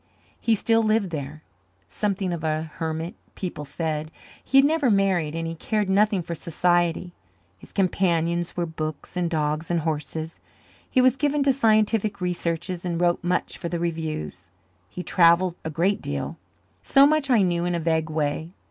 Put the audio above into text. He still lived there, something of a hermit, people said; he had never married, and he cared nothing for society. His companions were books and dogs and horses; he was given to scientific researches and wrote much for the reviews; he travelled a great deal. So much I knew in a vague way.